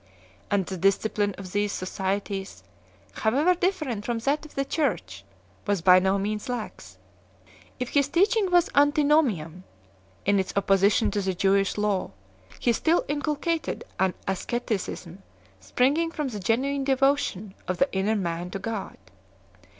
And the discipline of these societies, however different from that of the Church, was by no means lax; if his teaching was antinomian in its opposition to the Jewish law, he still inculcated an asce ticism springing from the genuine devotion of the inner man to God.